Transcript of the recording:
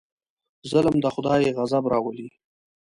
ظلم د خدای غضب راولي.